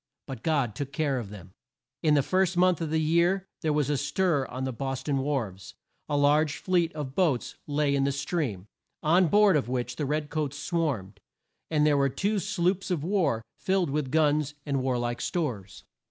But God took care of them. In the first month of the year there was a stir on the Bos ton wharves. A large fleet of boats lay in the stream, on board of which the red coats swarmed, and there were two sloops of war filled with guns and war like stores.